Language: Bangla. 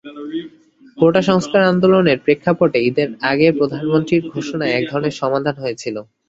কোটা সংস্কার আন্দোলনের প্রেক্ষাপটে ঈদের আগে প্রধানমন্ত্রীর ঘোষণায় একধরনের সমাধান হয়েছিল।